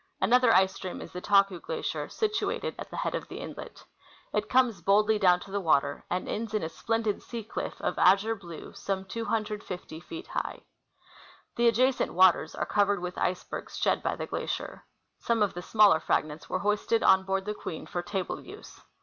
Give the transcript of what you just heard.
Another ice stream is the Taku glacier, situated at the head of the inlet. It comes boldly down to the water, and ends in a splendid sea cliff of azure blue, some 250 feet high. The adjacent waters are covered with icel)ergs shed by the glacier. Some of the smaller fragments were hoisted on board the Queen for table use.